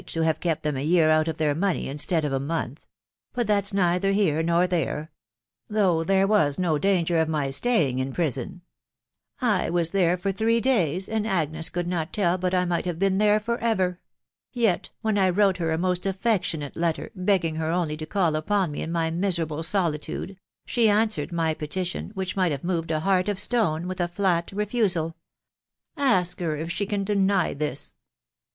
Is* have kept them a year out of their money, instead' of a nonfat £.... but that's neither here nor there .... though time was 110 danger of my staying in prison, I wis there for three days, and Agnes could not tell but I might have been there for ever; •.. yet, when I wrote her a most affectionate letter,, begging her only to call upon me in my miserable solitude, she an swered my petition, which might have moved a heart of stone, with a flat refusal. •.. Ask her if she can deny this?